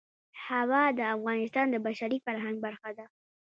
هوا د افغانستان د بشري فرهنګ برخه ده.